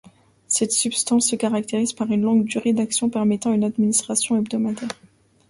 Cette substance se caractérise par une longue durée d'action permettant une administration hebdomadaire.